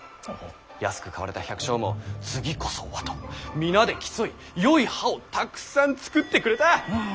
安く買われた百姓も「次こそは」と皆で競いよい葉をたくさん作ってくれた。